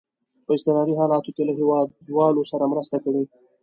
په اضطراري حالاتو کې له هیوادوالو سره مرسته کوي.